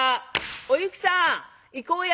「おゆきさん行こうや。